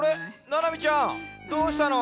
ななみちゃんどうしたの？